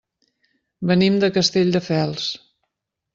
Venim de Castelldefels.